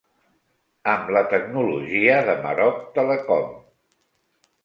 Amb la tecnologia de Maroc Telecom.